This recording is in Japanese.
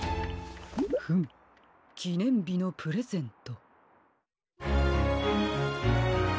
フムきねんびのプレゼント。